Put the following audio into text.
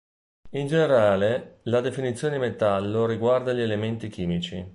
In generale, la definizione di metallo riguarda gli elementi chimici.